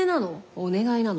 お願いなの？